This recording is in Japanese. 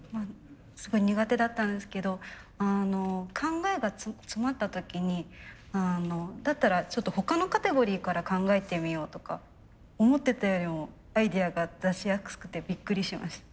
すごい苦手だったんですけど考えが詰まった時にだったらちょっと他のカテゴリーから考えてみようとか思ってたよりもアイデアが出しやすくてびっくりしました。